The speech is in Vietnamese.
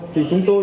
thì chúng tôi